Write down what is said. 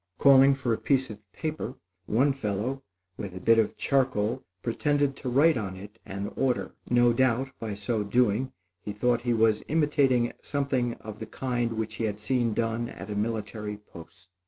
Calling for a piece of paper, one fellow, with a bit of charcoal, pretended to write on it an order. No doubt, by so doing, he thought he was imitating something of the kind which he had seen done at a military post.